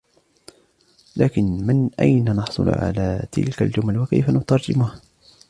لكن من أين نحصل على تلك الجمل ؟ وكيف نترجمها ؟